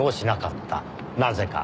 なぜか？